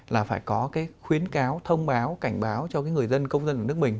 là phải có khuyến cáo thông báo cảnh báo cho người dân công dân của nước mình